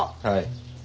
はい。